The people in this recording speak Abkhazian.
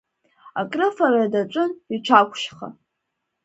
Акрыфара даҿын иҽақәшьха.